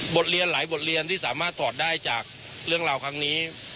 เรียนหลายบทเรียนที่สามารถถอดได้จากเรื่องราวครั้งนี้